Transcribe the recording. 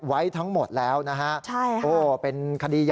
ไว้ทั้งหมดแล้วนะฮะโอ้เป็นคดีใหญ่นะ